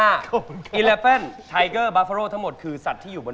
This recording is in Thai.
อ๊าวขอบคุณก่อนก่อนครับแล้วขอห้าขอบคุณครับเอเลเฟิ้น